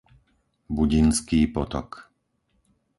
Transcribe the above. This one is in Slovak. Budinský potok